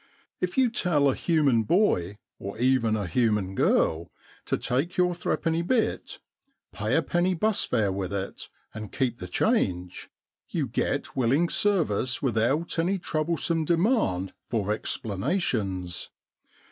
If you tell a human boy or even a human girl to take your threepenny bit, pay a penny bus fare with it, and keep the change, you get willing service without any troublesome demand for explanations.